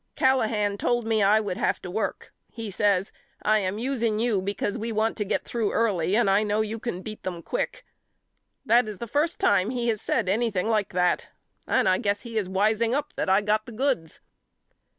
Callahan told me I would have to work. He says I am using you because we want to get through early and I know you can beat them quick. That is the first time he has said anything like that and I guess he is wiseing up that I got the goods.